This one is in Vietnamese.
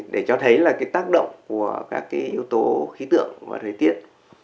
để cho thấy là cái tác động của các cái yếu tố khí tượng và thời tiết